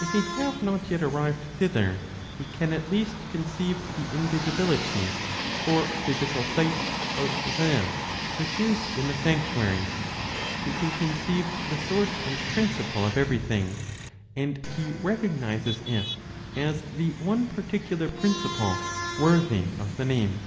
If he have not yet arrived thither, he can at least conceive the invisibility (for physical sight) of That which is in the sanctuary; he can conceive the source and principle of everything, and he recognizes it as the one particular principle worthy of the name.